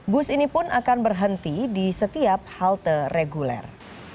bus ini pun akan berhenti di setiap halte reguler